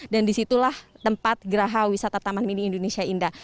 dan disitulah tempat geraha wisata taman mini indonesia indah